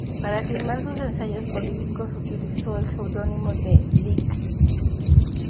Para firmar sus ensayos políticos utilizó el seudónimo de "Lic.